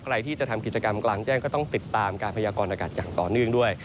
ใครที่จะทำกิจกรรมกลางแจ้งก็ต้องติดตามการพยากรณากาศอย่างต่อเนื่องด้วย